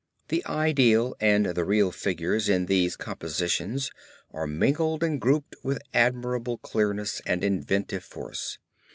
The ideal and the real figures in these compositions are mingled and grouped with admirable clearness and inventive force.